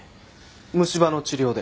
虫歯の治療で？